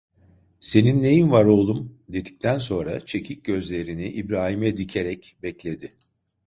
Senin neyin var, oğlum? dedikten sonra, çekik gözlerini İbrahim'e dikerek bekledi.